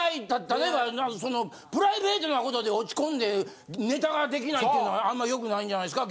例えばそのプライベートなことで落ち込んでネタが出来ないっていうのはあんまり良くないんじゃないんですか